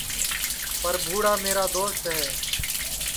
برپھوئاڑا میرا دوست ہے